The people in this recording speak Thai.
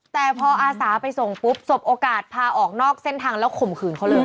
แต่พออาสาไปส่งปุ๊บสบโอกาสพาออกนอกเส้นทางแล้วข่มขืนเขาเลย